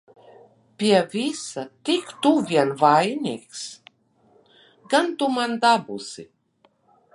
Pie visa tik tu vien vainīgs! Gan tu man dabūsi!